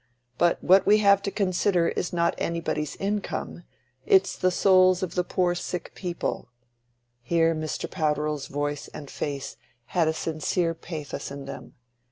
But what we have to consider is not anybody's income—it's the souls of the poor sick people"—here Mr. Powderell's voice and face had a sincere pathos in them.